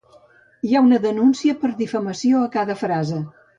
Hi ha una denúncia per difamació a cada frase.